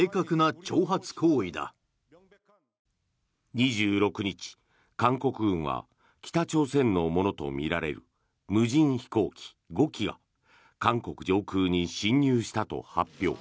２６日、韓国軍は北朝鮮のものとみられる無人飛行機５機が韓国上空に侵入したと発表。